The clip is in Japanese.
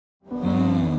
うん。